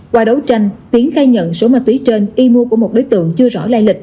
qua đấu tranh tiến khai nhận số ma túy trên y mua của một đối tượng chưa rõ lai lịch